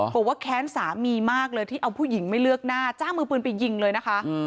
บอกว่าแค้นสามีมากเลยที่เอาผู้หญิงไม่เลือกหน้าจ้างมือปืนไปยิงเลยนะคะ